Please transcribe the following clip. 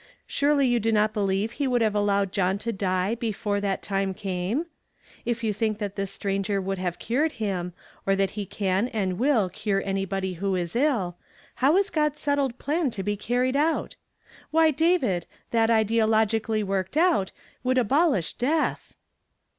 Surely you do not believe he would have allowed John to die before that time came ? If you think that this str^.nger would have cured him, or that he can and will cure anybody who is ill, how is God's settled plan to be carried out ? Wh} , David, that idea logically worked out would abolish death